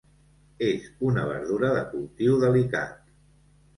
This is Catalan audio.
És una verdura de cultiu delicat.